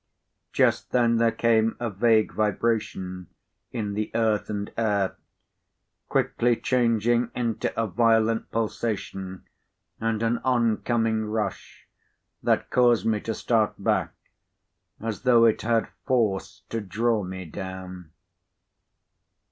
Just then, there came a vague vibration in the earth and air, quickly changing into a violent pulsation, and an oncoming rush that caused me to start back, as though it had force to draw me down.